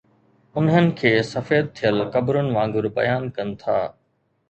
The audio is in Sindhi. انهن کي سفيد ٿيل قبرن وانگر بيان ڪن ٿا.